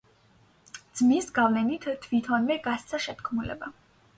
ძმის გავლენით თვითონვე გასცა შეთქმულება.